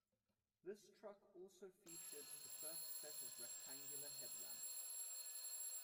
This truck also featured the first set of rectangular headlamps.